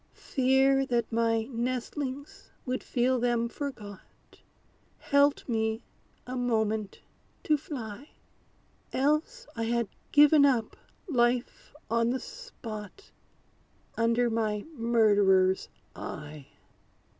Fear that my nestlings would feel them forgot, Helped me a moment to fly; Else I had given up life on the spot, Under my murderer's eye.